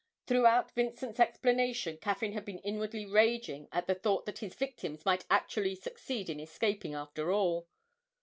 Throughout Vincent's explanation Caffyn had been inwardly raging at the thought that his victims might actually succeed in escaping after all.